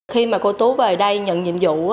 khi mà cô tú về đây nhận nhiệm vụ